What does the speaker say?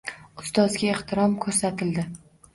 Ustozga ehtirom ko‘rsatildi